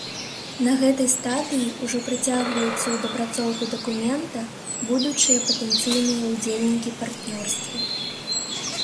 На гэтай стадыі ўжо прыцягваюцца ў дапрацоўку дакумента будучыя патэнцыйныя ўдзельнікі партнёрства.